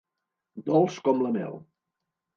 Dolç com la mel.